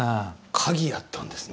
鍵やったんですね。